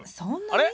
あれ？